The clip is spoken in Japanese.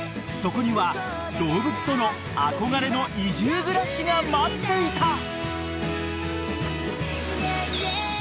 ［そこには動物との憧れの移住暮らしが待っていた］